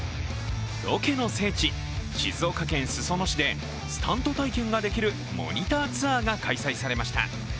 ロケの聖地、静岡県裾野市でスタント体験ができるモニターツアーが開催されました。